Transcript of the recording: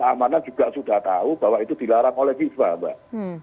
amanah juga sudah tahu bahwa itu dilarang oleh fifa mbak